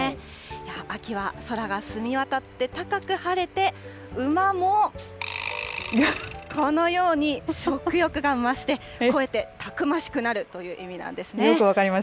秋は空が澄み渡って、高く晴れて、馬もこのように食欲が増して、肥えてたくましくなるという意味なんですね。